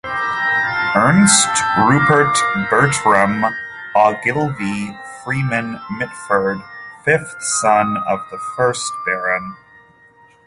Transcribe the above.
Ernest Rupert Bertram Ogilvy Freeman Mitford, fifth son of the first Baron.